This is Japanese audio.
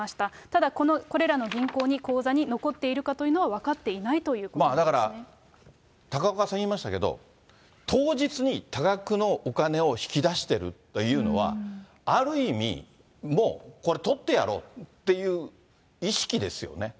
ただこれらの銀行に口座に残っているかというのは分かっていないだから、高岡さん言いましたけれども、当日に多額のお金を引き出してるというのは、ある意味、もうこれ取ってやろうっていう意識ですよね。